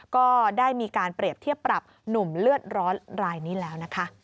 ก็ได้มีการเปรียบเทียบปรับหนุ่มเลือดร้อนรายนี้แล้วนะคะ